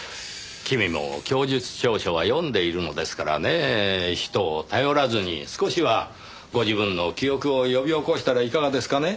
君も供述調書は読んでいるのですからねぇ人を頼らずに少しはご自分の記憶を呼び起こしたらいかがですかね？